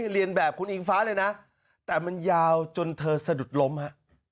เรียนแบบคุณอิงฟ้าเลยนะแต่มันยาวจนเธอสะดุดล้มฮะ